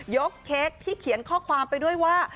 เค้กที่เขียนข้อความไปด้วยว่า